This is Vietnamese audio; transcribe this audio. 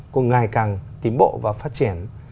cũng ngày càng tiến bộ và phát triển